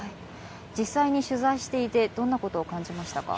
実際に取材していてどんなことを感じましたか。